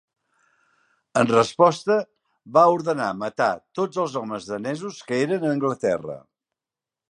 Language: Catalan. En resposta, "va ordenar matar tots els homes danesos que eren a Anglaterra".